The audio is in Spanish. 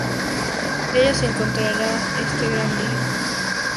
Ella se encontrará este gran lío."".